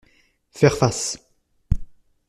Faire face